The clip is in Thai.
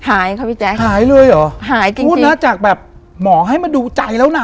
หายค่ะพี่แจ๊คหายเลยเหรอหายกินพูดนะจากแบบหมอให้มาดูใจแล้วน่ะ